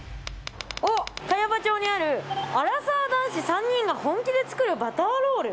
茅場町にあるアラサー男子３人が本気で作るバターロール？